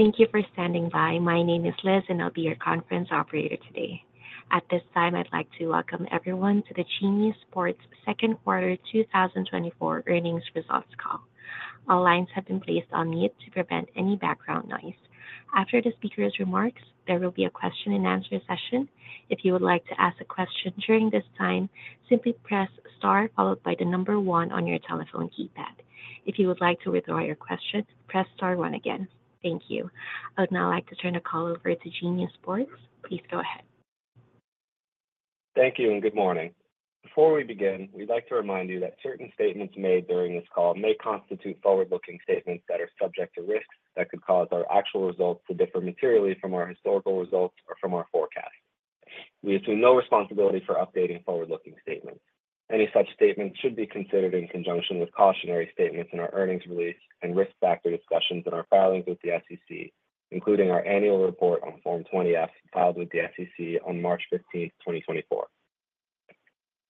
Thank you for standing by. My name is Liz, and I'll be your conference operator today. At this time, I'd like to welcome everyone to the Genius Sports Second Quarter 2024 earnings results call. All lines have been placed on mute to prevent any background noise. After the speaker's remarks, there will be a question and answer session. If you would like to ask a question during this time, simply press star, followed by the number one on your telephone keypad. If you would like to withdraw your question, press star one again. Thank you. I would now like to turn the call over to Genius Sports. Please go ahead. Thank you and good morning. Before we begin, we'd like to remind you that certain statements made during this call may constitute forward-looking statements that are subject to risks that could cause our actual results to differ materially from our historical results or from our forecasts. We assume no responsibility for updating forward-looking statements. Any such statements should be considered in conjunction with cautionary statements in our earnings release and risk factor discussions in our filings with the SEC, including our annual report on Form 20-F, filed with the SEC on March 15th, 2024.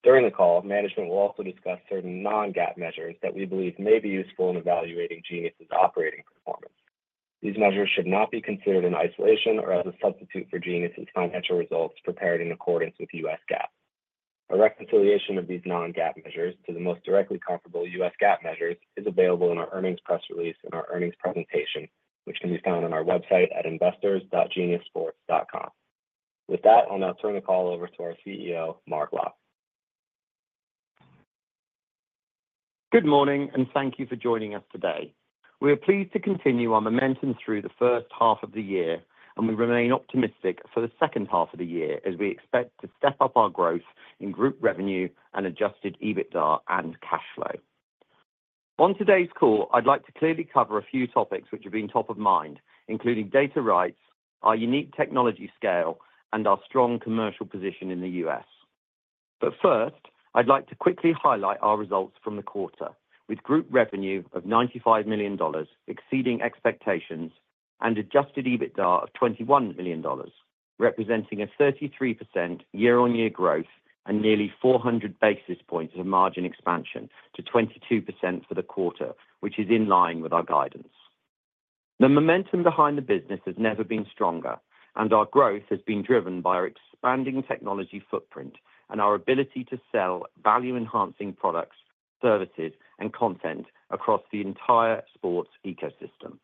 During the call, management will also discuss certain non-GAAP measures that we believe may be useful in evaluating Genius's operating performance. These measures should not be considered in isolation or as a substitute for Genius's financial results prepared in accordance with U.S. GAAP. A reconciliation of these non-GAAP measures to the most directly comparable U.S. GAAP measures is available in our earnings press release and our earnings presentation, which can be found on our website at investors.geniussports.com. With that, I'll now turn the call over to our CEO, Mark Locke. Good morning, and thank you for joining us today. We are pleased to continue our momentum through the first half of the year, and we remain optimistic for the second half of the year as we expect to step up our growth in group revenue and Adjusted EBITDA and cash flow. On today's call, I'd like to clearly cover a few topics which have been top of mind, including data rights, our unique technology scale, and our strong commercial position in the U.S. But first, I'd like to quickly highlight our results from the quarter, with group revenue of $95 million exceeding expectations and Adjusted EBITDA of $21 million, representing a 33% year-on-year growth and nearly 400 basis points of margin expansion to 22% for the quarter, which is in line with our guidance. The momentum behind the business has never been stronger, and our growth has been driven by our expanding technology footprint and our ability to sell value-enhancing products, services, and content across the entire sports ecosystem.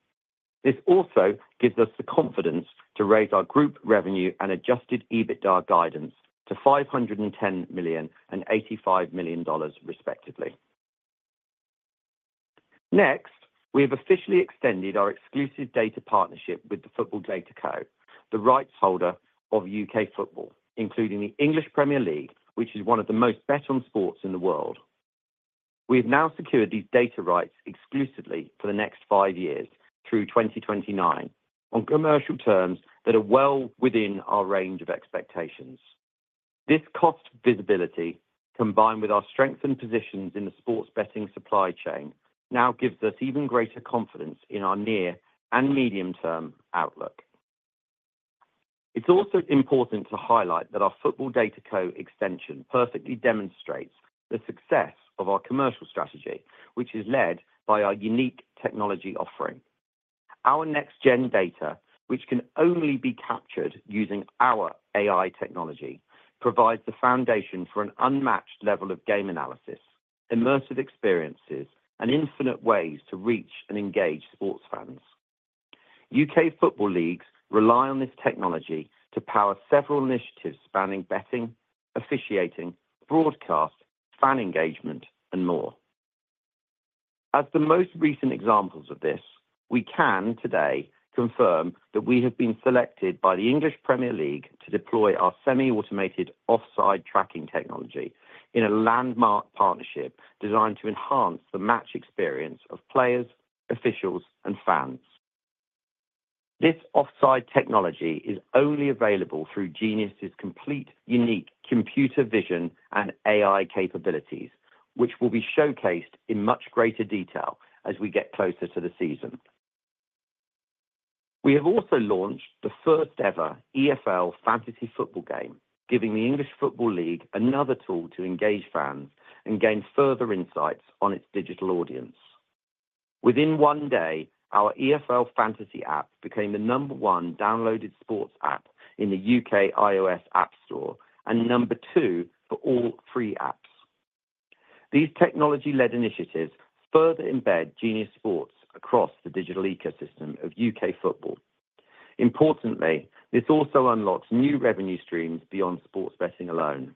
This also gives us the confidence to raise our group revenue and Adjusted EBITDA guidance to $510 million and $85 million, respectively. Next, we have officially extended our exclusive data partnership with the Football DataCo, the rights holder of U.K. football, including the English Premier League, which is one of the most bet on sports in the world. We have now secured these data rights exclusively for the next five years, through 2029, on commercial terms that are well within our range of expectations. This cost visibility, combined with our strengthened positions in the sports betting supply chain, now gives us even greater confidence in our near and medium-term outlook. It's also important to highlight that our Football DataCo extension perfectly demonstrates the success of our commercial strategy, which is led by our unique technology offering. Our next-gen data, which can only be captured using our AI technology, provides the foundation for an unmatched level of game analysis, immersive experiences, and infinite ways to reach and engage sports fans. U.K. football leagues rely on this technology to power several initiatives spanning betting, officiating, broadcast, fan engagement, and more. As the most recent examples of this, we can today confirm that we have been selected by the English Premier League to deploy our semi-automated offside tracking technology in a landmark partnership designed to enhance the match experience of players, officials, and fans. This offside technology is only available through Genius's complete, unique computer vision and AI capabilities, which will be showcased in much greater detail as we get closer to the season. We have also launched the first-ever EFL Fantasy Football game, giving the English Football League another tool to engage fans and gain further insights on its digital audience. Within one day, our EFL Fantasy app became the number one downloaded sports app in the U.K. iOS App Store and number two for all free apps. These technology-led initiatives further embed Genius Sports across the digital ecosystem of U.K. football. Importantly, this also unlocks new revenue streams beyond sports betting alone.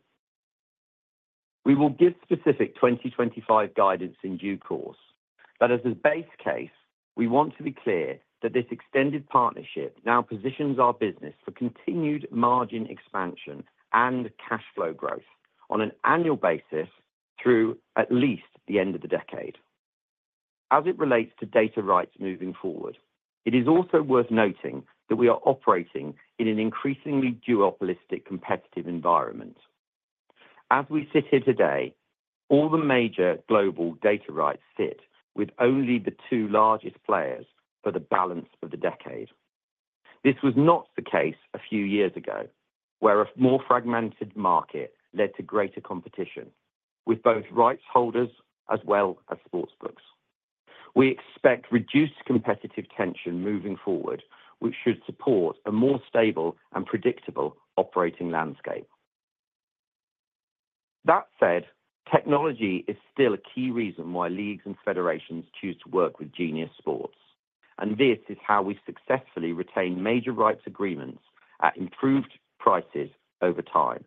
We will give specific 2025 guidance in due course, but as a base case, we want to be clear that this extended partnership now positions our business for continued margin expansion and cash flow growth on an annual basis through at least the end of the decade. As it relates to data rights moving forward, it is also worth noting that we are operating in an increasingly duopolistic competitive environment. As we sit here today, all the major global data rights sit with only the two largest players for the balance of the decade. This was not the case a few years ago, where a more fragmented market led to greater competition, with both rights holders as well as sportsbooks. We expect reduced competitive tension moving forward, which should support a more stable and predictable operating landscape. That said, technology is still a key reason why leagues and federations choose to work with Genius Sports, and this is how we successfully retain major rights agreements at improved prices over time.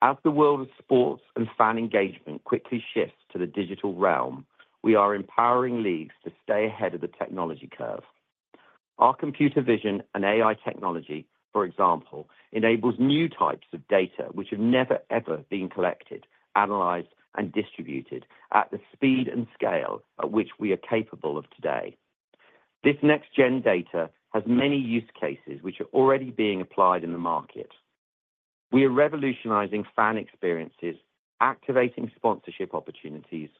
As the world of sports and fan engagement quickly shifts to the digital realm, we are empowering leagues to stay ahead of the technology curve. Our computer vision and AI technology, for example, enables new types of data which have never, ever been collected, analyzed, and distributed at the speed and scale at which we are capable of today. This next-gen data has many use cases which are already being applied in the market. We are revolutionizing fan experiences, activating sponsorship opportunities,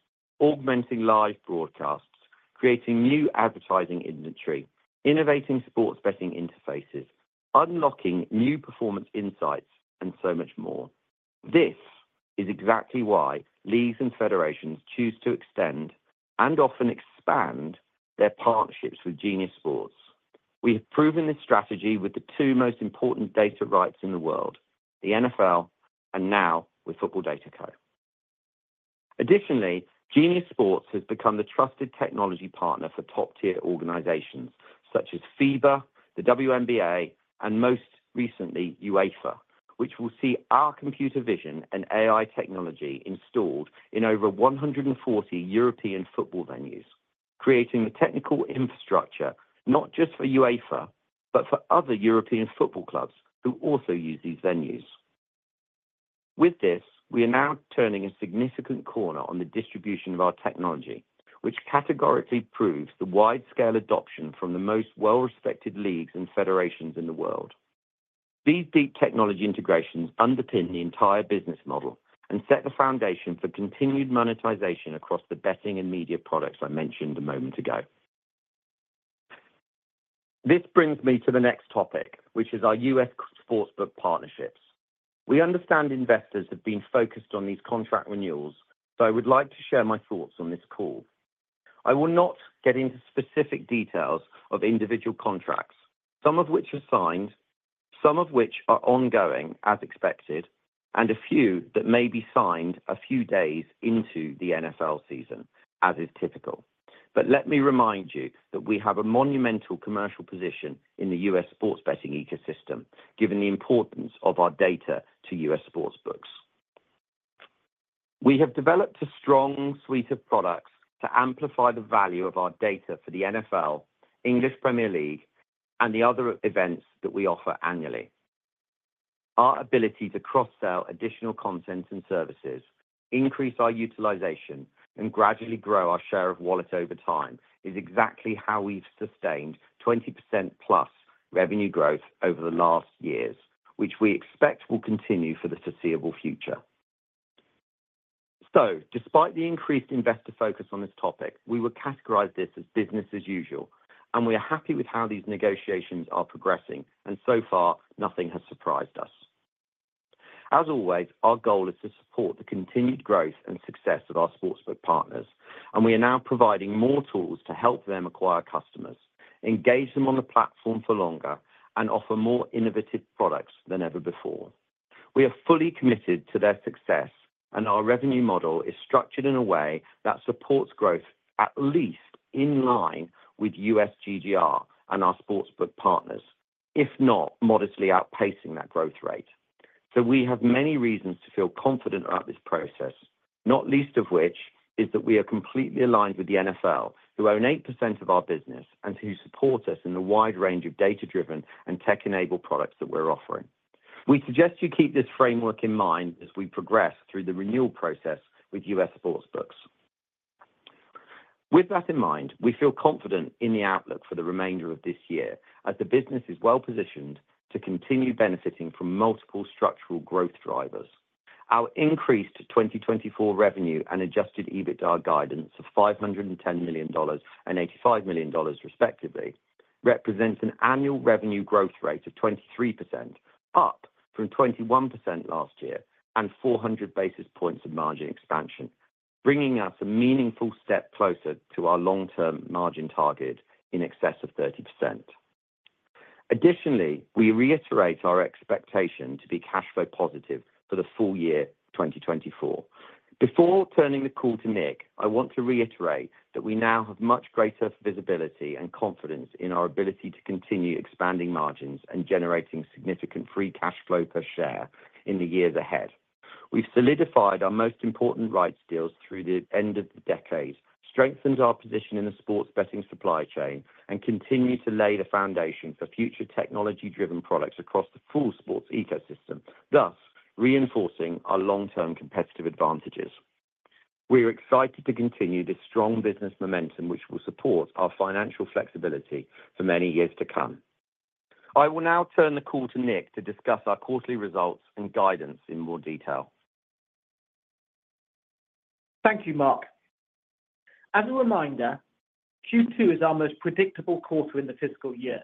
augmenting live broadcasts, creating new advertising inventory, innovating sports betting interfaces, unlocking new performance insights, and so much more. This is exactly why leagues and federations choose to extend, and often expand, their partnerships with Genius Sports. We have proven this strategy with the two most important data rights in the world, the NFL and now with Football DataCo. Additionally, Genius Sports has become the trusted technology partner for top-tier organizations such as FIBA, the WNBA, and most recently, UEFA, which will see our computer vision and AI technology installed in over 140 European football venues, creating the technical infrastructure, not just for UEFA, but for other European football clubs who also use these venues. With this, we are now turning a significant corner on the distribution of our technology, which categorically proves the wide-scale adoption from the most well-respected leagues and federations in the world. These deep technology integrations underpin the entire business model and set the foundation for continued monetization across the betting and media products I mentioned a moment ago. This brings me to the next topic, which is our U.S. sportsbook partnerships. We understand investors have been focused on these contract renewals, so I would like to share my thoughts on this call. I will not get into specific details of individual contracts, some of which are signed, some of which are ongoing as expected, and a few that may be signed a few days into the NFL season, as is typical. But let me remind you that we have a monumental commercial position in the U.S. sports betting ecosystem, given the importance of our data to U.S. sportsbooks. We have developed a strong suite of products to amplify the value of our data for the NFL, English Premier League, and the other events that we offer annually. Our ability to cross-sell additional content and services, increase our utilization, and gradually grow our share of wallet over time, is exactly how we've sustained 20%+ revenue growth over the last years, which we expect will continue for the foreseeable future. So despite the increased investor focus on this topic, we would categorize this as business as usual, and we are happy with how these negotiations are progressing, and so far, nothing has surprised us. As always, our goal is to support the continued growth and success of our sportsbook partners, and we are now providing more tools to help them acquire customers, engage them on the platform for longer, and offer more innovative products than ever before. We are fully committed to their success, and our revenue model is structured in a way that supports growth, at least in line with U.S. GGR and our sportsbook partners, if not modestly outpacing that growth rate. So we have many reasons to feel confident about this process, not least of which is that we are completely aligned with the NFL, who own 8% of our business and who support us in the wide range of data-driven and tech-enabled products that we're offering. We suggest you keep this framework in mind as we progress through the renewal process with U.S. sportsbooks. With that in mind, we feel confident in the outlook for the remainder of this year as the business is well positioned to continue benefiting from multiple structural growth drivers. Our increase to 2024 revenue and Adjusted EBITDA guidance of $510 million and $85 million, respectively, represents an annual revenue growth rate of 23%, up from 21% last year, and 400 basis points of margin expansion, bringing us a meaningful step closer to our long-term margin target in excess of 30%. Additionally, we reiterate our expectation to be cash flow positive for the full year 2024. Before turning the call to Nick, I want to reiterate that we now have much greater visibility and confidence in our ability to continue expanding margins and generating significant free cash flow per share in the years ahead. We've solidified our most important rights deals through the end of the decade, strengthened our position in the sports betting supply chain, and continue to lay the foundation for future technology-driven products across the full sports ecosystem, thus reinforcing our long-term competitive advantages. We are excited to continue this strong business momentum, which will support our financial flexibility for many years to come. I will now turn the call to Nick to discuss our quarterly results and guidance in more detail.... Thank you, Mark. As a reminder, Q2 is our most predictable quarter in the fiscal year.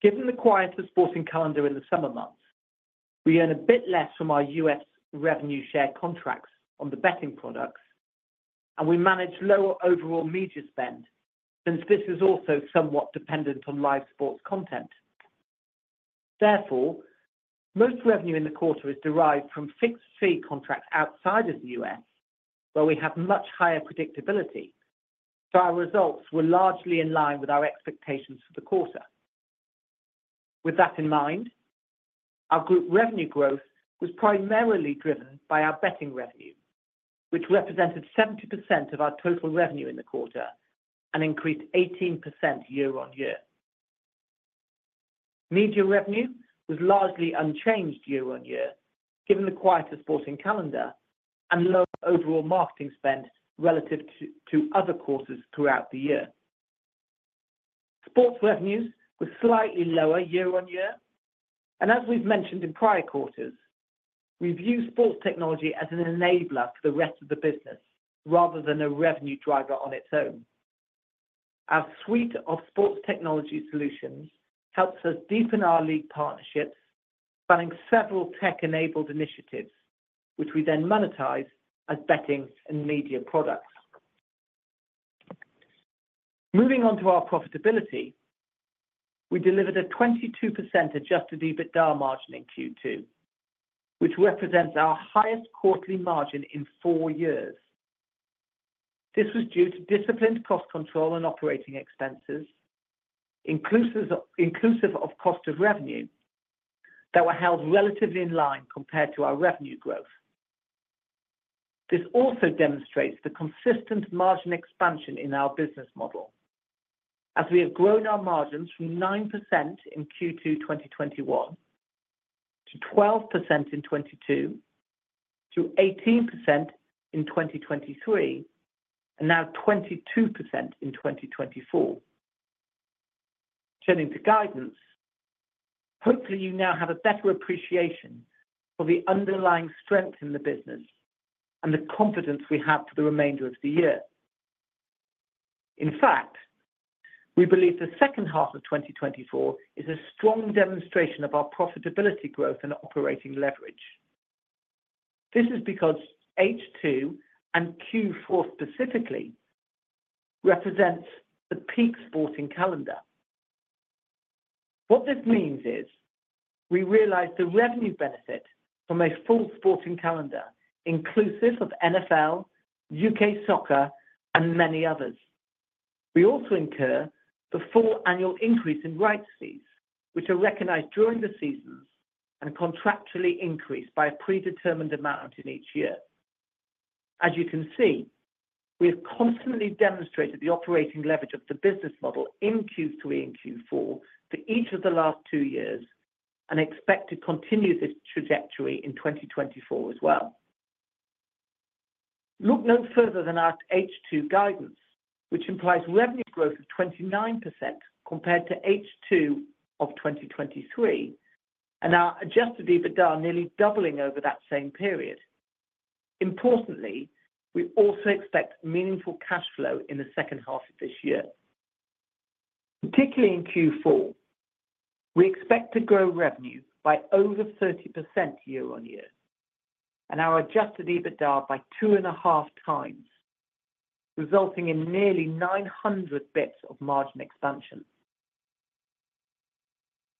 Given the quieter sporting calendar in the summer months, we earn a bit less from our U.S. revenue share contracts on the betting products, and we manage lower overall media spend, since this is also somewhat dependent on live sports content. Therefore, most revenue in the quarter is derived from fixed fee contracts outside of the U.S., where we have much higher predictability. So our results were largely in line with our expectations for the quarter. With that in mind, our group revenue growth was primarily driven by our betting revenue, which represented 70% of our total revenue in the quarter and increased 18% year-on-year. Media revenue was largely unchanged year-on-year, given the quieter sporting calendar and lower overall marketing spend relative to other quarters throughout the year. Sports revenues were slightly lower year-on-year, and as we've mentioned in prior quarters, we view sports technology as an enabler for the rest of the business rather than a revenue driver on its own. Our suite of sports technology solutions helps us deepen our league partnerships, spanning several tech-enabled initiatives, which we then monetize as betting and media products. Moving on to our profitability, we delivered a 22% adjusted EBITDA margin in Q2, which represents our highest quarterly margin in four years. This was due to disciplined cost control and operating expenses, inclusive of cost of revenue, that were held relatively in line compared to our revenue growth. This also demonstrates the consistent margin expansion in our business model, as we have grown our margins from 9% in Q2 2021 to 12% in 2022, to 18% in 2023, and now 22% in 2024. Turning to guidance, hopefully, you now have a better appreciation for the underlying strength in the business and the confidence we have for the remainder of the year. In fact, we believe the second half of 2024 is a strong demonstration of our profitability growth and operating leverage. This is because H2 and Q4 specifically represents the peak sporting calendar. What this means is, we realize the revenue benefit from a full sporting calendar, inclusive of NFL, U.K. soccer, and many others. We also incur the full annual increase in rights fees, which are recognized during the seasons and contractually increased by a predetermined amount in each year. As you can see, we have consistently demonstrated the operating leverage of the business model in Q3 and Q4 for each of the last two years, and expect to continue this trajectory in 2024 as well. Look no further than our H2 guidance, which implies revenue growth of 29% compared to H2 of 2023, and our adjusted EBITDA nearly doubling over that same period. Importantly, we also expect meaningful cash flow in the second half of this year. Particularly in Q4, we expect to grow revenue by over 30% year-on-year, and our adjusted EBITDA by 2.5 times, resulting in nearly 900 basis points of margin expansion.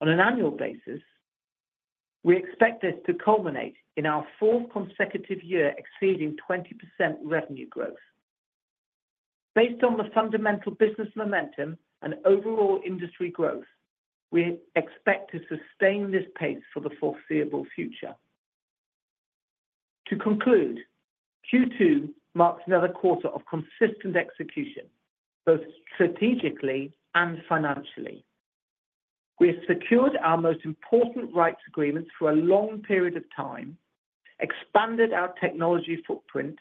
On an annual basis, we expect this to culminate in our fourth consecutive year exceeding 20% revenue growth. Based on the fundamental business momentum and overall industry growth, we expect to sustain this pace for the foreseeable future. To conclude, Q2 marks another quarter of consistent execution, both strategically and financially. We have secured our most important rights agreements for a long period of time, expanded our technology footprint,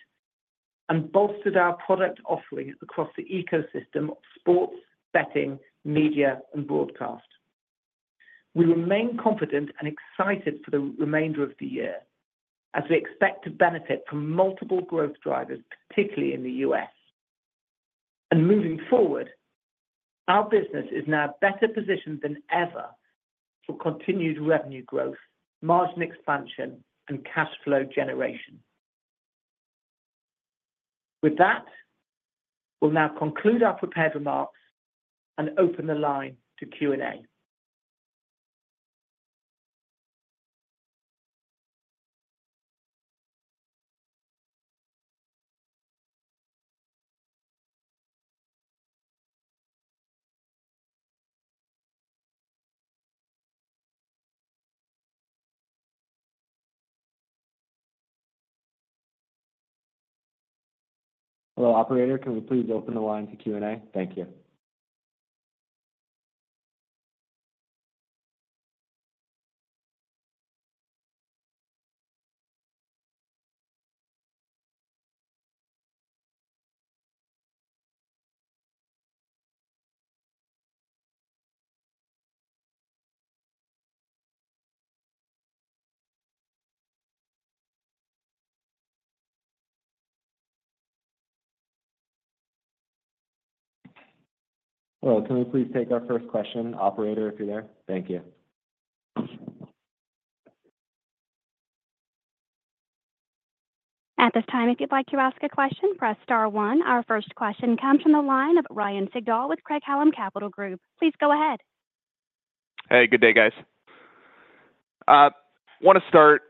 and bolstered our product offerings across the ecosystem of sports, betting, media, and broadcast. We remain confident and excited for the remainder of the year as we expect to benefit from multiple growth drivers, particularly in the U.S. And moving forward, our business is now better positioned than ever for continued revenue growth, margin expansion, and cash flow generation. With that, we'll now conclude our prepared remarks and open the line to Q&A. Hello, operator, can we please open the line to Q&A? Thank you. ... Hello, can we please take our first question, operator, if you're there? Thank you. At this time, if you'd like to ask a question, press star one. Our first question comes from the line of Ryan Sigdahl with Craig-Hallum Capital Group. Please go ahead. Hey, good day, guys. Wanna start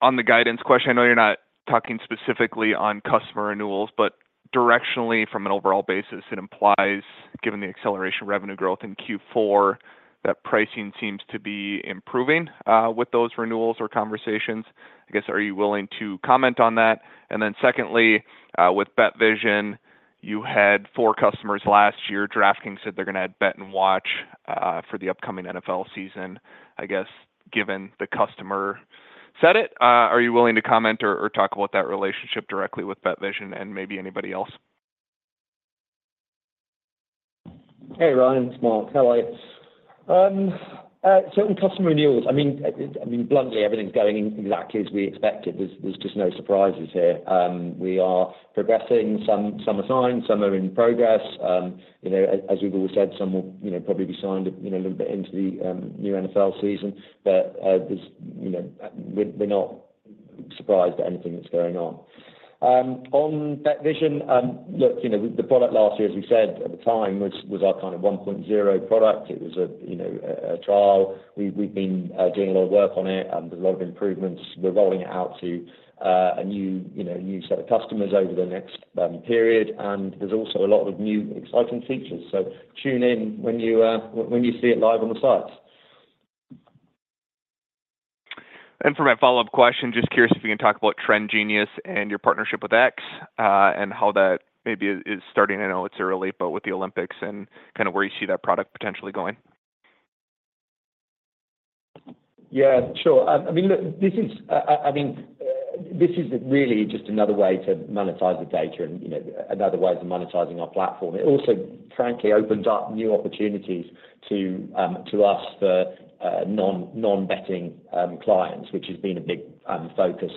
on the guidance question. I know you're not talking specifically on customer renewals, but directionally, from an overall basis, it implies, given the acceleration of revenue growth in Q4, that pricing seems to be improving with those renewals or conversations. I guess, are you willing to comment on that? And then secondly, with BetVision, you had four customers last year. DraftKings said they're gonna add Watch & Bet for the upcoming NFL season. I guess, given the customer said it, are you willing to comment or talk about that relationship directly with BetVision and maybe anybody else? Hey, Ryan, it's Mark. How are you? So in customer renewals, I mean, bluntly, everything's going exactly as we expected. There's just no surprises here. We are progressing. Some are signed, some are in progress. You know, as we've always said, some will, you know, probably be signed, you know, a little bit into the new NFL season. But, you know, we're not surprised at anything that's going on. On BetVision, look, you know, the product last year, as we said at the time, was our kind of 1.0 product. It was a, you know, a trial. We've been doing a lot of work on it, and there's a lot of improvements. We're rolling it out to a new, you know, new set of customers over the next period, and there's also a lot of new exciting features. So tune in when you see it live on the site. For my follow-up question, just curious if you can talk about TrendGenius and your partnership with X, and how that maybe is, is starting, I know it's early, but with the Olympics and kind of where you see that product potentially going? Yeah, sure. I, I mean, look, this is, I, I think this is really just another way to monetize the data and, you know, another way of monetizing our platform. It also, frankly, opens up new opportunities to, to us for, non, non-betting, clients, which has been a big, focus.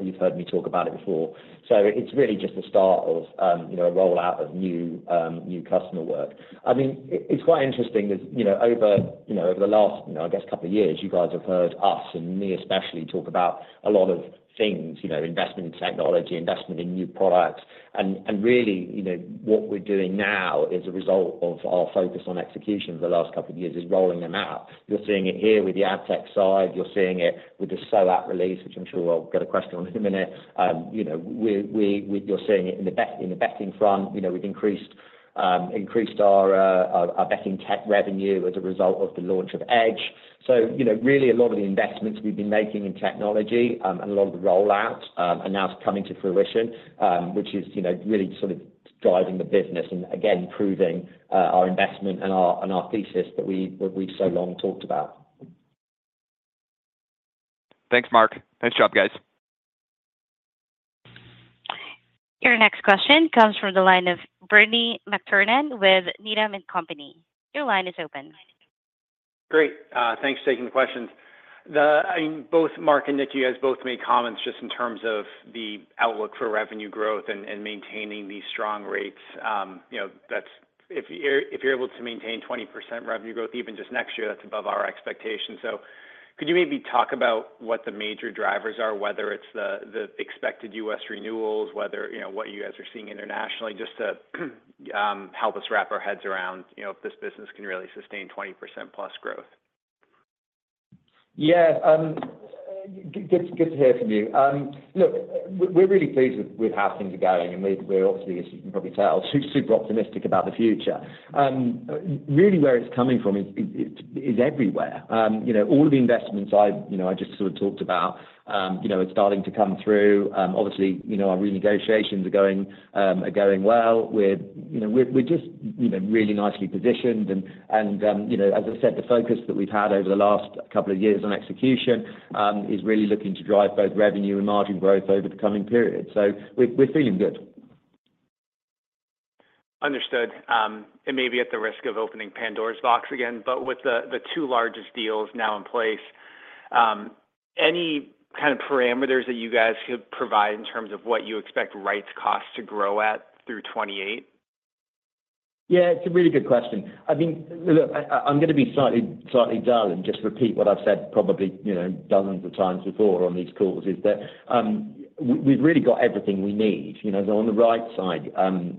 You've heard me talk about it before. So it's really just the start of, you know, a rollout of new, new customer work. I mean, it, it's quite interesting that, you know, over, you know, over the last, you know, I guess couple of years, you guys have heard us and me especially, talk about a lot of things, you know, investment in technology, investment in new products. Really, you know, what we're doing now is a result of our focus on execution for the last couple of years is rolling them out. You're seeing it here with the ad tech side. You're seeing it with the SAOT release, which I'm sure we'll get a question on in a minute. You know, you're seeing it in the betting front, you know, we've increased our betting tech revenue as a result of the launch of Edge. So, you know, really a lot of the investments we've been making in technology and a lot of the rollouts are now coming to fruition, which is, you know, really sort of driving the business and again, proving our investment and our thesis that we've so long talked about. Thanks, Mark. Nice job, guys. Your next question comes from the line of Bernie McTernan with Needham & Company. Your line is open. Great. Thanks for taking the questions. I mean, both Mark and Nick, you guys both made comments just in terms of the outlook for revenue growth and maintaining these strong rates. You know, that's. If you're able to maintain 20% revenue growth, even just next year, that's above our expectations. So could you maybe talk about what the major drivers are, whether it's the expected U.S. renewals, whether you know what you guys are seeing internationally, just to help us wrap our heads around, you know, if this business can really sustain 20%+ growth? Yeah, good to hear from you. Look, we're really pleased with how things are going, and we're obviously, as you can probably tell, super optimistic about the future. Really where it's coming from is everywhere. You know, all of the investments I just sort of talked about, you know, are starting to come through. Obviously, you know, our renegotiations are going well. We're, you know, we're just, you know, really nicely positioned and, you know, as I said, the focus that we've had over the last couple of years on execution is really looking to drive both revenue and margin growth over the coming period. So we're feeling good. Understood. Maybe at the risk of opening Pandora's box again, but with the two largest deals now in place, any kind of parameters that you guys could provide in terms of what you expect rights costs to grow at through 2028? Yeah, it's a really good question. I think, look, I'm gonna be slightly dull and just repeat what I've said probably, you know, dozens of times before on these calls, is that we've really got everything we need. You know, so on the right side,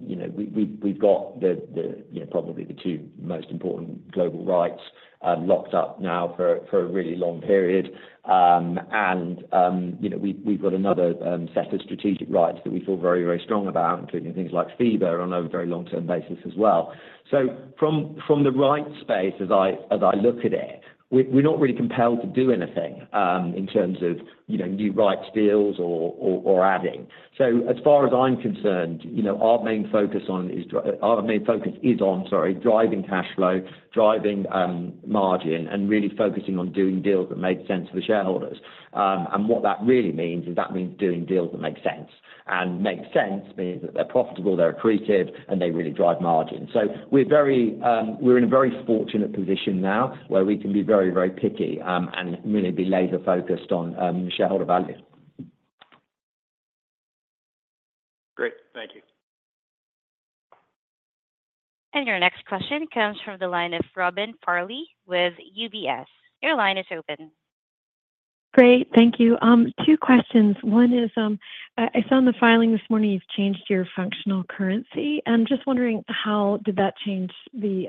you know, we've got the, you know, probably the two most important global rights locked up now for a really long period. And you know, we've got another set of strategic rights that we feel very, very strong about, including things like FIBA on a very long-term basis as well. So from the rights space, as I look at it, we're not really compelled to do anything in terms of, you know, new rights deals or adding. So as far as I'm concerned, you know, our main focus is on driving cash flow, driving margin, and really focusing on doing deals that make sense for the shareholders. And what that really means is that means doing deals that make sense. And makes sense, meaning that they're profitable, they're accretive, and they really drive margin. So we're very, we're in a very fortunate position now, where we can be very, very picky, and really be laser-focused on shareholder value. Thank you. Your next question comes from the line of Robin Farley with UBS. Your line is open. Great. Thank you. Two questions. One is, I saw in the filing this morning you've changed your functional currency. I'm just wondering, how did that change the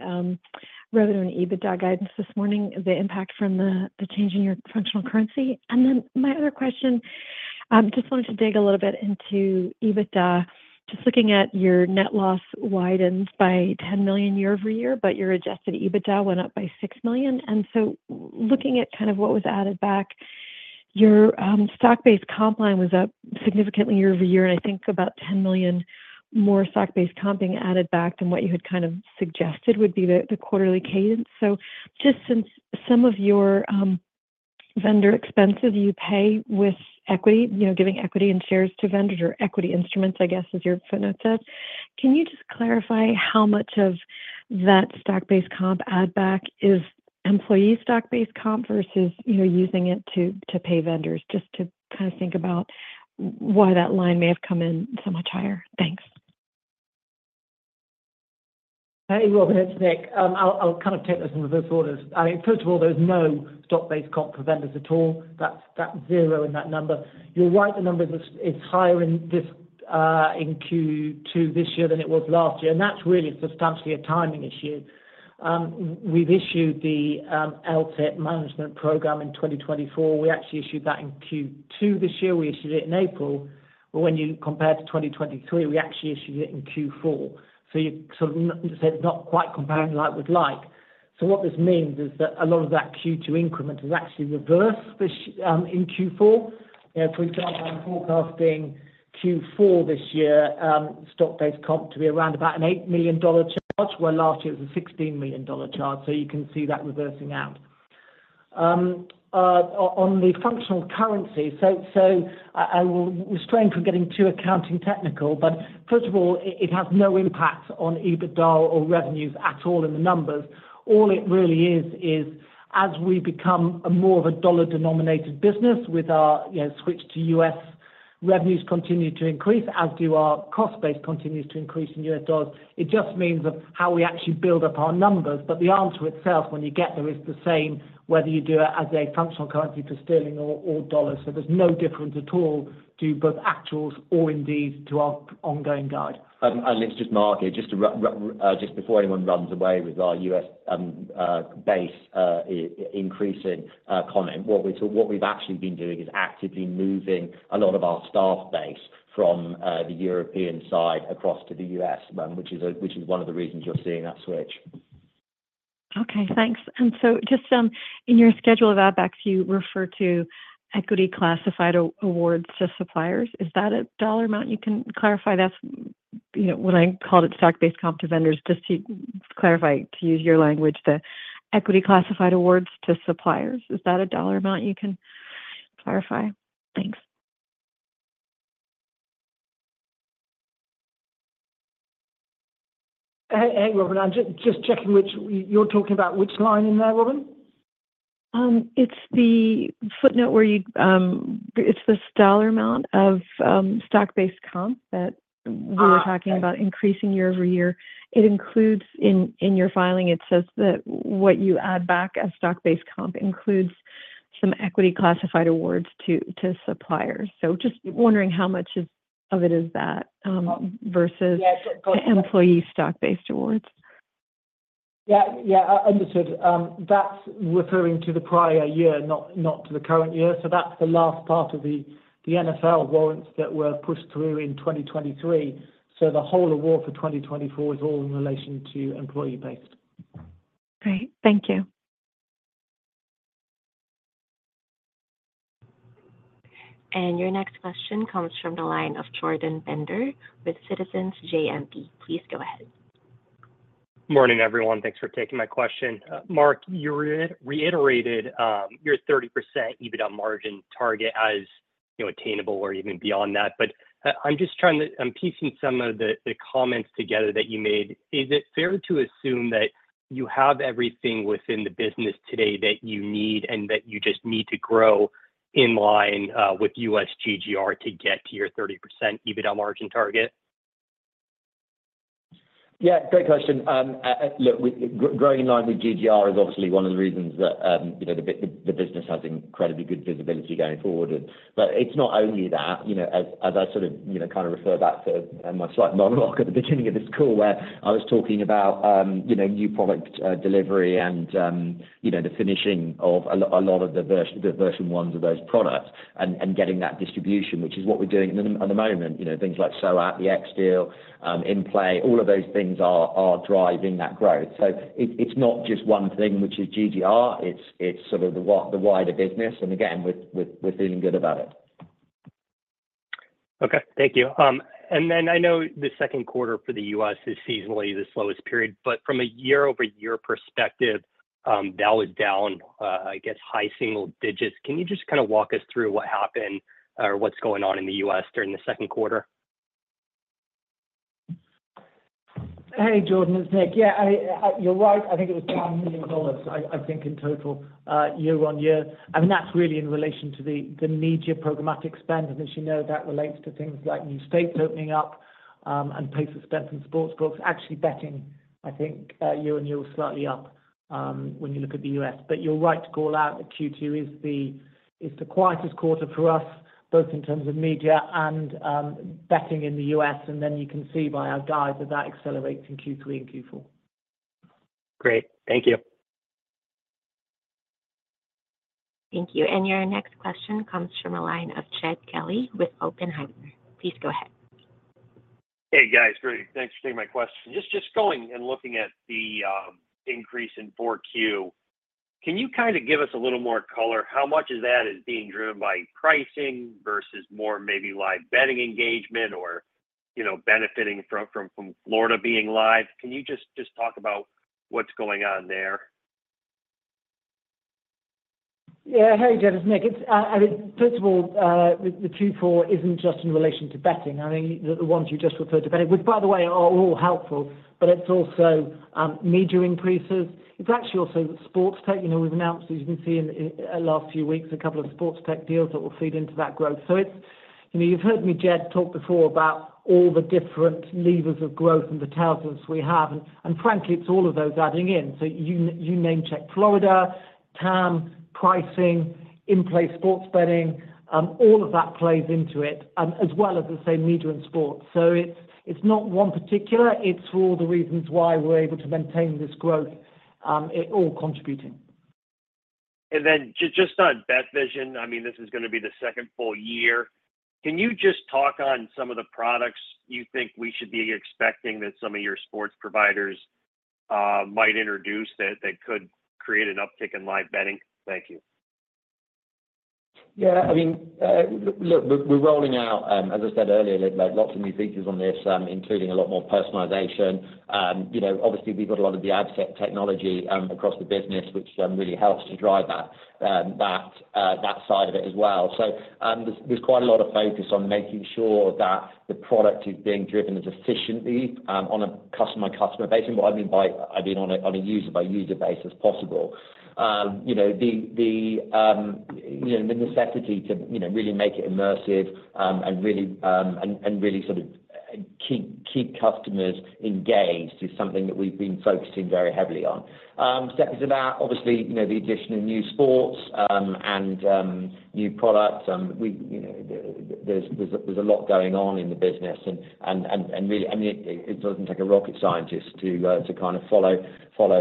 revenue and EBITDA guidance this morning, the impact from the change in your functional currency? And then my other question, just wanted to dig a little bit into EBITDA, just looking at your net loss widened by $10 million year-over-year, but your adjusted EBITDA went up by $6 million. And so looking at kind of what was added back, your stock-based comp line was up significantly year-over-year, and I think about $10 million more stock-based comping added back than what you had kind of suggested would be the quarterly cadence. So just since some of your vendor expenses you pay with equity, you know, giving equity and shares to vendors or equity instruments, I guess, as your footnote says, can you just clarify how much of that stock-based comp add back is employee stock-based comp versus, you know, using it to pay vendors, just to kind of think about why that line may have come in so much higher? Thanks. Hey, Robin, it's Nick. I'll kind of take this in reverse order. I mean, first of all, there's no stock-based comp for vendors at all. That's zero in that number. You're right, the number is higher in this in Q2 this year than it was last year, and that's really substantially a timing issue. We've issued the LTIP or uncertain management program in 2024. We actually issued that in Q2 this year. We issued it in April, but when you compare to 2023, we actually issued it in Q4. So you sort of said not quite comparing like with like. So what this means is that a lot of that Q2 increment is actually reversed this in Q4. You know, for example, I'm forecasting Q4 this year, stock-based comp to be around about an $8 million charge, where last year it was a $16 million charge, so you can see that reversing out. On the functional currency, so I will restrain from getting too accounting technical, but first of all, it has no impact on EBITDA or revenues at all in the numbers. All it really is, is as we become a more of a dollar-denominated business with our, you know, switch to U.S., revenues continue to increase, as do our cost base continues to increase in U.S. dollars. It just means that how we actually build up our numbers, but the answer itself, when you get there, is the same, whether you do it as a functional currency for sterling or dollars. There's no difference at all to both actuals or indeed to our ongoing guide. Let's just mark it just before anyone runs away with our U.S. base increasing comment. What we, what we've actually been doing is actively moving a lot of our staff base from the European side across to the U.S., which is which is one of the reasons you're seeing that switch. Okay, thanks. And so just in your schedule of add backs, you refer to equity classified awards to suppliers. Is that a dollar amount you can clarify? That's, you know, when I called it stock-based comp to vendors, just to clarify, to use your language, the equity classified awards to suppliers, is that a dollar amount you can clarify? Thanks. Hey, hey, Robin. I'm just checking which... You're talking about which line in there, Robin? It's the footnote where you, it's the dollar amount of, stock-based comp that- Ah, okay. We were talking about increasing year-over-year. It includes, in your filing, it says that what you add back as stock-based comp includes some equity classified awards to suppliers. So just wondering how much of it is that versus- Yeah, got... employee stock-based awards. Yeah, yeah, understood. That's referring to the prior year, not, not to the current year. So that's the last part of the NFL warrants that were pushed through in 2023. So the whole award for 2024 is all in relation to employee-based. Great. Thank you. Your next question comes from the line of Jordan Bender with Citizens JMP. Please go ahead. Morning, everyone. Thanks for taking my question. Mark, you reiterated your 30% EBITDA margin target as attainable or even beyond that. But, I'm just trying to. I'm piecing some of the comments together that you made. Is it fair to assume that you have everything within the business today that you need, and that you just need to grow in line with U.S. GGR to get to your 30% EBITDA margin target? Yeah, great question. Look, growing in line with GGR is obviously one of the reasons that, you know, the business has incredibly good visibility going forward. But it's not only that, you know, as I sort of, you know, kind of refer back to my slight monologue at the beginning of this call, where I was talking about, you know, new product delivery and, you know, the finishing of a lot of the version ones of those products and getting that distribution, which is what we're doing at the moment, you know, things like SAOT, the X deal, In-Play, all of those things are driving that growth. So it's not just one thing, which is GGR. It's sort of the wider business, and again, we're feeling good about it. Okay, thank you. And then I know the second quarter for the U.S. is seasonally the slowest period, but from a year-over-year perspective, that was down, I guess, high single digits. Can you just kind of walk us through what happened or what's going on in the U.S. during the second quarter?... Hey, Jordan, it's Nick. Yeah, I, you're right. I think it was $10 million, I think, in total, year-over-year, and that's really in relation to the media programmatic spend. And as you know, that relates to things like new states opening up, and pace of spend from sports books. Actually, betting, I think, year-over-year was slightly up, when you look at the U.S. But you're right to call out that Q2 is the quietest quarter for us, both in terms of media and betting in the U.S., and then you can see by our guide that that accelerates in Q3 and Q4. Great. Thank you. Thank you. Your next question comes from the line of Jed Kelly with Oppenheimer. Please go ahead. Hey, guys. Great. Thanks for taking my question. Just going and looking at the increase in 4Q, can you kind of give us a little more color? How much of that is being driven by pricing versus more maybe live betting engagement or, you know, benefiting from Florida being live? Can you just talk about what's going on there? Yeah. Hey, Chad, it's Nick. It's, I mean, first of all, the Q4 isn't just in relation to betting. I mean, the ones you just referred to, betting, which, by the way, are all helpful, but it's also media increases. It's actually also sports tech. You know, we've announced, as you can see in the last few weeks, a couple of sports tech deals that will feed into that growth. So it's you know, you've heard me, Chad, talk before about all the different levers of growth and the talents we have, and frankly, it's all of those adding in. So you namecheck Florida, TAM, pricing, in-play sports betting, all of that plays into it, as well as the, say, media and sports. So it's not one particular. It's all the reasons why we're able to maintain this growth. It all contributing. Then just on BetVision, I mean, this is gonna be the second full year. Can you just talk on some of the products you think we should be expecting that some of your sports providers might introduce, that they could create an uptick in live betting? Thank you. Yeah, I mean, look, we're rolling out, as I said earlier, there are lots of new features on this, including a lot more personalization. You know, obviously, we've got a lot of the ad tech technology across the business, which really helps to drive that, that side of it as well. So, there's quite a lot of focus on making sure that the product is being driven as efficiently, on a customer by customer basis, what I mean by—I mean, on a user by user basis possible. You know, the necessity to, you know, really make it immersive, and really, and really sort of keep customers engaged is something that we've been focusing very heavily on. Steps of that, obviously, you know, the addition of new sports, and new products, we, you know, there's a lot going on in the business. And really, I mean, it doesn't take a rocket scientist to kind of follow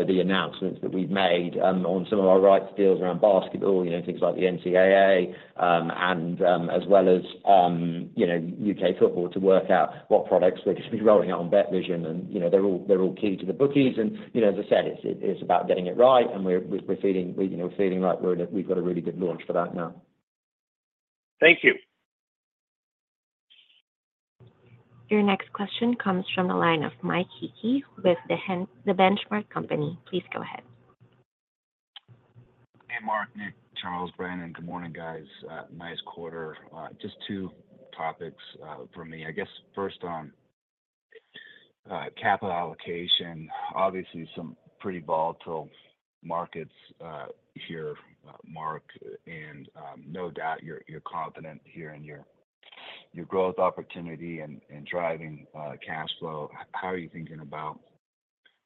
the announcements that we've made on some of our rights deals around basketball, you know, things like the NCAA, and as well as, you know, U.K. football to work out what products we're just be rolling out on BetVision. And, you know, they're all key to the bookies, and, you know, as I said, it's about getting it right, and we're feeling, we, you know, we're feeling like we've got a really good launch for that now. Thank you. Your next question comes from the line of Mike Hickey with The Benchmark Company. Please go ahead. Hey, Mark, Nick, Charles, Brandon. Good morning, guys. Nice quarter. Just two topics for me. I guess, first on capital allocation. Obviously, some pretty volatile markets here, Mark, and no doubt you're confident here in your growth opportunity and driving cash flow. How are you thinking about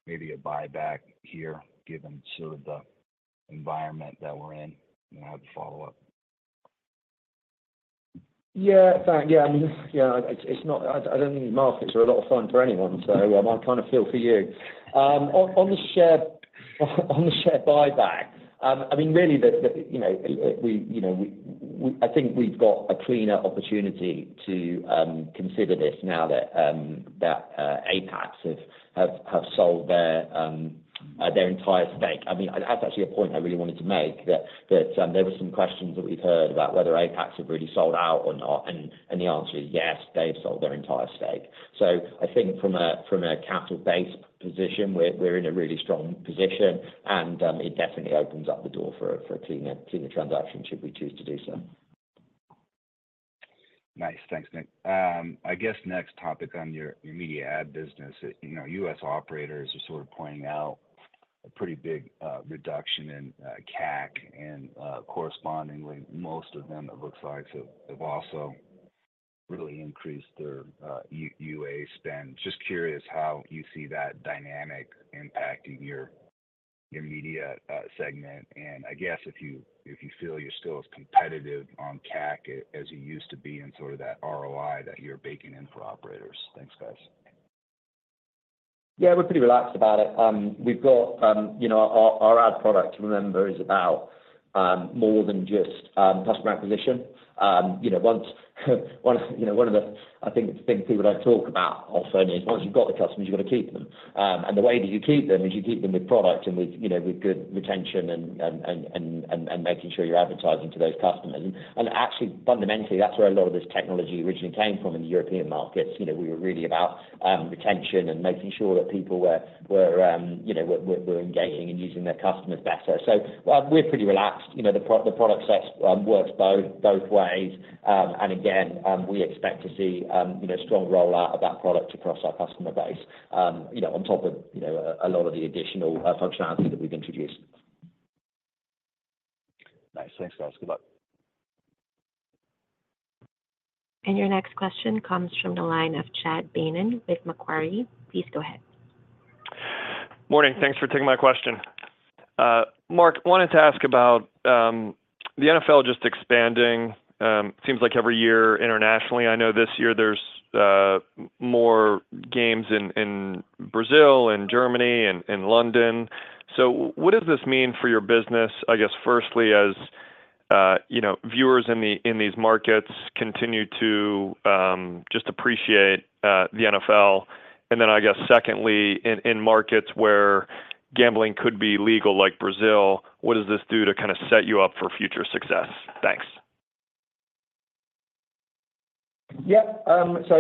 maybe a buyback here, given sort of the environment that we're in? And I have a follow-up. Yeah, thanks. Yeah, I mean, you know, it's not. I don't think markets are a lot of fun for anyone, so I kind of feel for you. On the share buyback, I mean, really, you know, we've got a cleaner opportunity to consider this now that Apax have sold their entire stake. I mean, that's actually a point I really wanted to make, that there were some questions that we've heard about whether Apax have really sold out or not, and the answer is yes, they've sold their entire stake. So I think from a capital base position, we're in a really strong position, and it definitely opens up the door for a cleaner transaction should we choose to do so. Nice. Thanks, Nick. I guess next topic on your media ad business. You know, US operators are sort of pointing out a pretty big reduction in CAC, and correspondingly, most of them, it looks like, have also really increased their UA spend. Just curious how you see that dynamic impacting your media segment, and I guess if you feel you're still as competitive on CAC as you used to be and sort of that ROI that you're baking in for operators. Thanks, guys. Yeah, we're pretty relaxed about it. We've got, you know, our ad product, remember, is about more than just customer acquisition. You know, one of the, I think, things people don't talk about often is once you've got the customers, you've got to keep them. And the way that you keep them is you keep them with product and with, you know, with good retention and making sure you're advertising to those customers. And actually, fundamentally, that's where a lot of this technology originally came from in the European markets. You know, we were really about retention and making sure that people were engaging and using their customers better. So, we're pretty relaxed. You know, the product set works both ways. And again, we expect to see, you know, strong rollout of that product across our customer base, you know, on top of, you know, a lot of the additional functionality that we've introduced.... Nice. Thanks, guys. Good luck! Your next question comes from the line of Chad Beynon with Macquarie. Please go ahead. Morning. Thanks for taking my question. Mark, wanted to ask about the NFL just expanding. Seems like every year internationally, I know this year there's more games in Brazil, and Germany, and London. So what does this mean for your business? I guess, firstly, as you know, viewers in these markets continue to just appreciate the NFL. And then, I guess, secondly, in markets where gambling could be legal, like Brazil, what does this do to kind of set you up for future success? Thanks. So,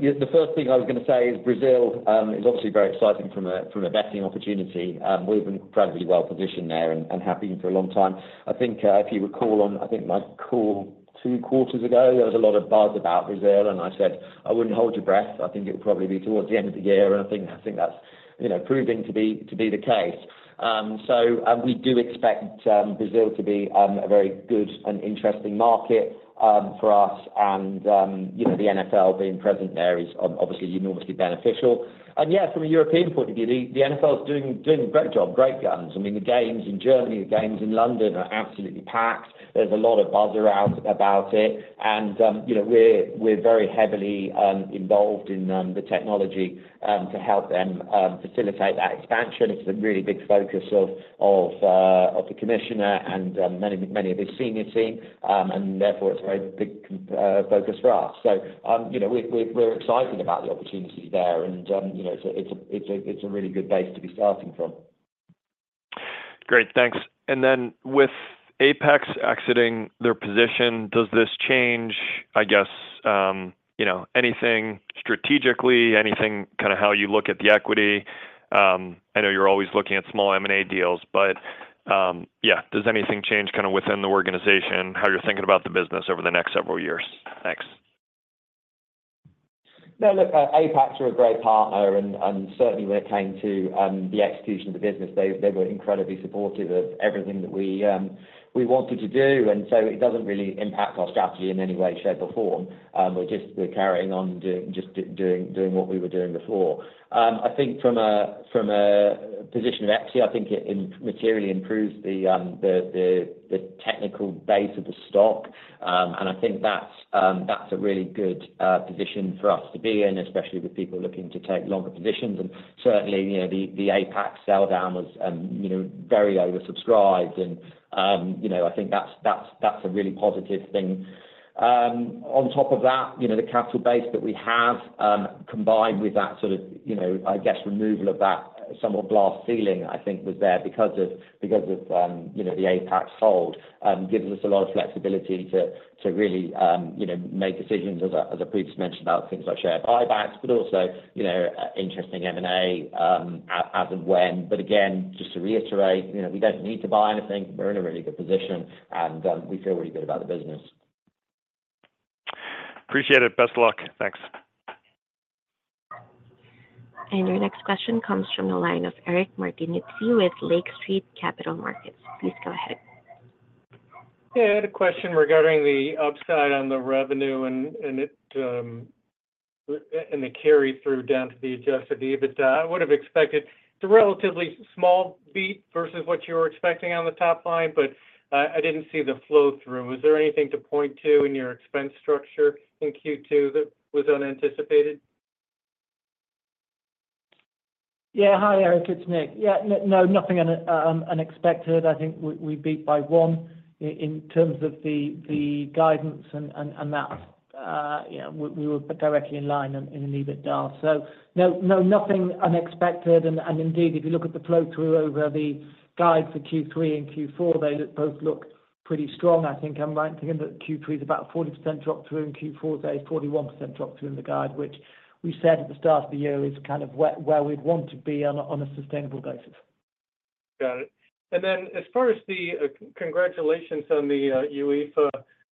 the first thing I was going to say is Brazil is obviously very exciting from a betting opportunity. We've been incredibly well positioned there and have been for a long time. I think if you recall on my call two quarters ago, there was a lot of buzz about Brazil, and I said, "I wouldn't hold your breath. I think it would probably be towards the end of the year." I think that's, you know, proving to be the case. We do expect Brazil to be a very good and interesting market for us. You know, the NFL being present there is obviously enormously beneficial. Yeah, from a European point of view, the NFL is doing a great job, great guns. I mean, the games in Germany, the games in London are absolutely packed. There's a lot of buzz around about it, and you know, we're very heavily involved in the technology to help them facilitate that expansion. It's a really big focus of the commissioner and many of his senior team, and therefore it's a very big focus for us. So you know, we're excited about the opportunity there, and you know, it's a really good base to be starting from. Great, thanks. And then with Apax exiting their position, does this change, I guess, you know, anything strategically, anything kind of how you look at the equity? I know you're always looking at small M&A deals, but, yeah, does anything change kind of within the organization, how you're thinking about the business over the next several years? Thanks. Now, look, Apax are a great partner, and, and certainly when it came to, the execution of the business, they, they were incredibly supportive of everything that we, we wanted to do, and so it doesn't really impact our strategy in any way, shape, or form. We're just, we're carrying on doing, just doing what we were doing before. I think from a, from a position of equity, I think it materially improves the, the, the, the technical base of the stock. And I think that's, that's a really good position for us to be in, especially with people looking to take longer positions. And certainly, you know, the, the Apax sell-down was, you know, very oversubscribed, and, you know, I think that's, that's, that's a really positive thing. On top of that, you know, the capital base that we have, combined with that sort of, you know, I guess, removal of that somewhat glass ceiling, I think was there because of, you know, the Apax hold, gives us a lot of flexibility to really, you know, make decisions, as I previously mentioned, about things like share buybacks, but also, you know, interesting M&A, as and when. But again, just to reiterate, you know, we don't need to buy anything. We're in a really good position, and we feel really good about the business. Appreciate it. Best of luck. Thanks. Your next question comes from the line of Eric Martinuzzi with Lake Street Capital Markets. Please go ahead. Yeah, I had a question regarding the upside on the revenue and the carry-through down to the adjusted EBIT. I would have expected it's a relatively small beat versus what you were expecting on the top line, but I didn't see the flow-through. Is there anything to point to in your expense structure in Q2 that was unanticipated? Yeah. Hi, Eric, it's Nick. Yeah, no, nothing unexpected. I think we beat by one in terms of the guidance and that you know, we were directly in line in EBITDA. So no, nothing unexpected. And indeed, if you look at the flow-through over the guide for Q3 and Q4, they both look pretty strong. I think I'm right in thinking that Q3 is about 40% drop through, and Q4 is a 41% drop through in the guide, which we said at the start of the year, is kind of where we'd want to be on a sustainable basis. Got it. And then as far as the... Congratulations on the UEFA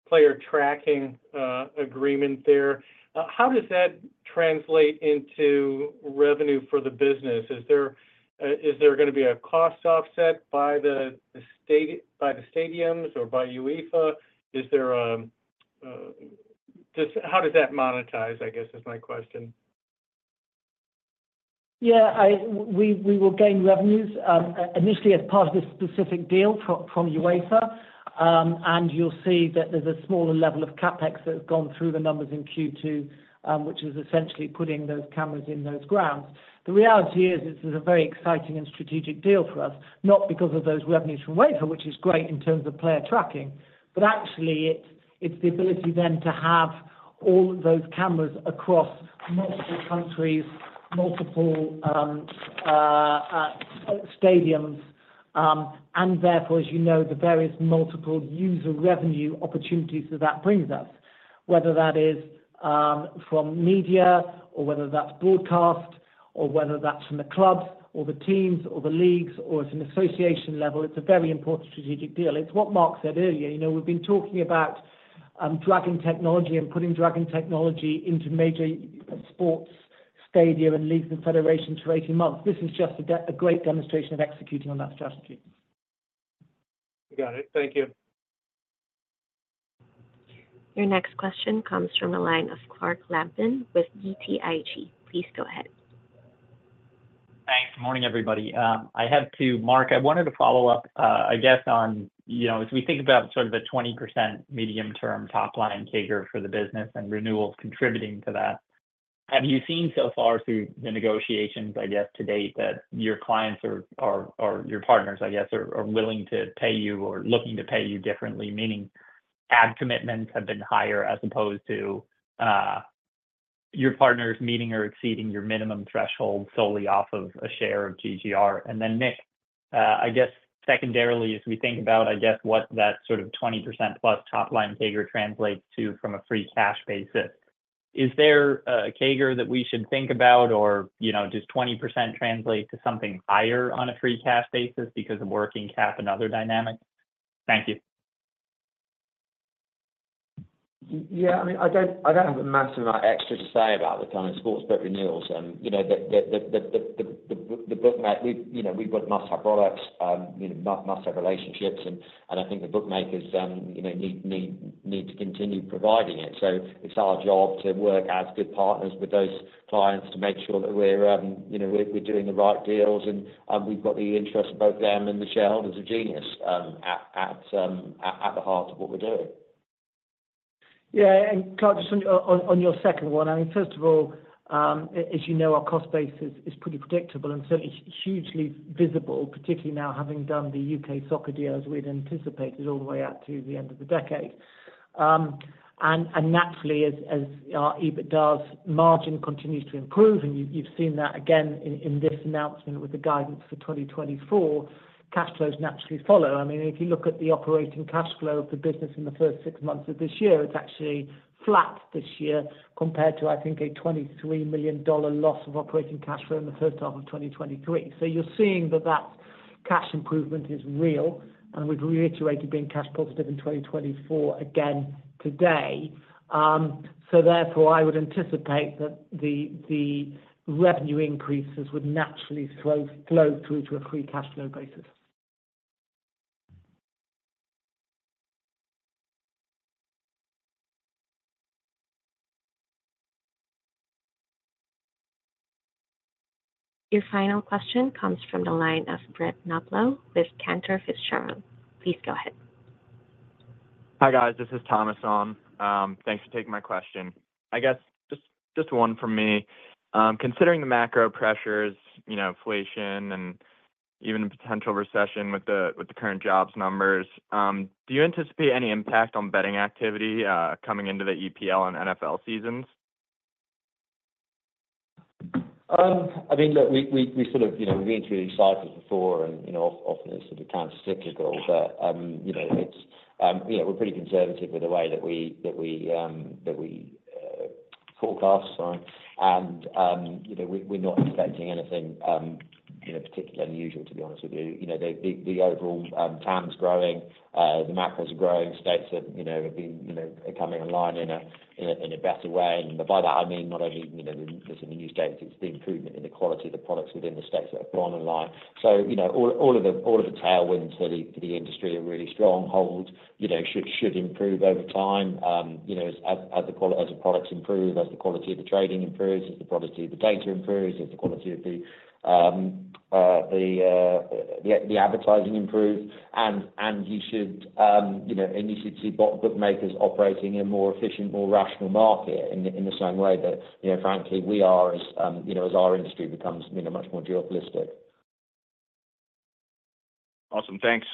player tracking agreement there. How does that translate into revenue for the business? Is there gonna be a cost offset by the stadiums or by UEFA? How does that monetize, I guess, is my question? Yeah, we will gain revenues, initially as part of this specific deal from, from UEFA, and you'll see that there's a smaller level of CapEx that has gone through the numbers in Q2, which is essentially putting those cameras in those grounds. The reality is, this is a very exciting and strategic deal for us, not because of those revenues from UEFA, which is great in terms of player tracking, but actually it's, it's the ability then to have all those cameras across multiple countries, multiple stadiums, and therefore, as you know, the various multiple user revenue opportunities that that brings us. Whether that is, from media, or whether that's broadcast, or whether that's from the clubs, or the teams, or the leagues, or it's an association level, it's a very important strategic deal. It's what Mark said earlier. You know, we've been talking about tracking technology and putting tracking technology into major sports stadia and leagues and federations for 18 months. This is just a great demonstration of executing on that strategy. Got it. Thank you. Your next question comes from the line of Clark Lampen with BTIG. Please go ahead. Thanks. Good morning, everybody. Mark, I wanted to follow up, I guess, on, you know, as we think about sort of the 20% medium-term top-line CAGR for the business and renewals contributing to that, have you seen so far through the negotiations, I guess, to date, that your clients are your partners, I guess, are willing to pay you or looking to pay you differently? Meaning, ad commitments have been higher as opposed to your partners meeting or exceeding your minimum threshold solely off of a share of GGR. And then, Nick, I guess secondarily, as we think about, I guess, what that sort of 20%+ top-line CAGR translates to from a free cash basis, is there a, a CAGR that we should think about or, you know, does 20% translate to something higher on a free cash basis because of working cap and other dynamics? Thank you. Yeah, I mean, I don't have a massive amount extra to say about the kind of sports book renewals. You know, the bookmakers—we, you know, we've got must-have products, you know, must-have relationships, and I think the bookmakers, you know, need to continue providing it. So it's our job to work as good partners with those clients to make sure that we're, you know, we're doing the right deals and, we've got the interests of both them and the shareholders of Genius at the heart of what we're doing. Yeah, and Clark, just on your second one, I mean, first of all, as you know, our cost base is pretty predictable and certainly hugely visible, particularly now, having done the U.K. soccer deal as we'd anticipated all the way out to the end of the decade. And naturally, as our EBITDA's margin continues to improve, and you've seen that again in this announcement with the guidance for 2024, cash flows naturally follow. I mean, if you look at the operating cash flow of the business in the first six months of this year, it's actually flat this year compared to, I think, a $23 million loss of operating cash flow in the first half of 2023. So you're seeing that that cash improvement is real, and we've reiterated being cash positive in 2024 again today. So therefore, I would anticipate that the revenue increases would naturally flow through to a free cash flow basis. Your final question comes from the line of Brett Knoblauch with Cantor Fitzgerald. Please go ahead. Hi, guys. This is Thomas Shute. Thanks for taking my question. I guess just, just one from me. Considering the macro pressures, you know, inflation and even a potential recession with the, with the current jobs numbers, do you anticipate any impact on betting activity coming into the EPL and NFL seasons? I mean, look, we sort of, you know, we went through these cycles before and, you know, often it's sort of countercyclical. But, you know, it's, you know, we're pretty conservative with the way that we forecast on. And, you know, we're not expecting anything, you know, particularly unusual, to be honest with you. You know, the overall TAM's growing, the macros are growing. States have, you know, are coming online in a better way. And by that, I mean, not only, you know, just in the new states, it's the improvement in the quality of the products within the states that have gone online. So, you know, all of the tailwinds to the industry are really strong, you know, should improve over time. You know, as the products improve, as the quality of the trading improves, as the quality of the data improves, as the quality of the advertising improves. And you should, you know, see bookmakers operating in a more efficient, more rational market in the same way that, you know, frankly, we are as our industry becomes, you know, much more geopolitical. Awesome. Thanks.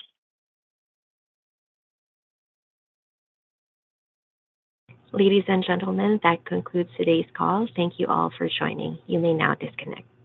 Ladies and gentlemen, that concludes today's call. Thank you all for joining. You may now disconnect.